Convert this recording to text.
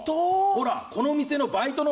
ほらこの店のバイトの。